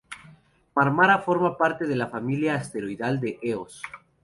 Marmara forma parte de la familia asteroidal de Eos.